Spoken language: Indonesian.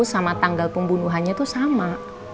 sama tanggal pembunuhannya itu sama